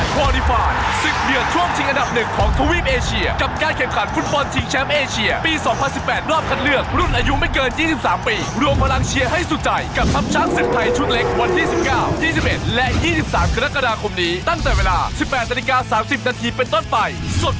โปรดติดตามตอนต่อไป